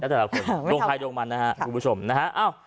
ตรงไทยตรงมันนะฮะคุณผู้ชมนะฮะ